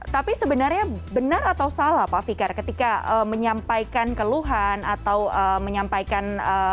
tapi sebenarnya benar atau salah pak fikar ketika menyampaikan keluhan atau menyampaikan